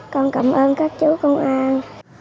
con cảm ơn các chú công an